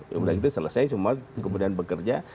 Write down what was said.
ya udah gitu selesai semua kemudian bekerja